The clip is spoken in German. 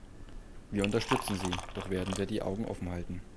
Wir unterstützen Sie, doch werden wir die Augen offen halten.